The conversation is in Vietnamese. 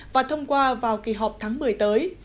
và thông qua vào kỳ họp tháng một mươi tới